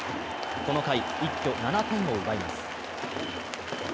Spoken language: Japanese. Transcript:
この回、一挙７点を奪います。